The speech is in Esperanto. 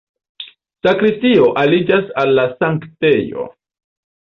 Sakristio aliĝas al la sanktejo.